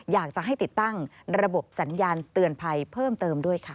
อยากจะให้ติดตั้งระบบสัญญาณเตือนภัยเพิ่มเติมด้วยค่ะ